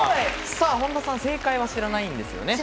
本田さん、正解は知らないんですよね。